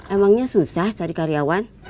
emangnya susah cari karyawan